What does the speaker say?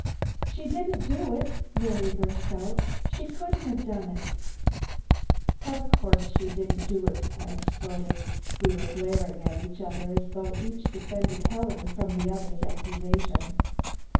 "She didn't do it!" Mary burst out. "She couldn't have done it." "Of course she didn't do it!" I exploded. We were glaring at each other as though each was defending Helen from the other's accusation.